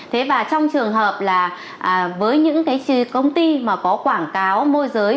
thế và trong trường hợp là với những cái công ty mà có quảng cáo môi giới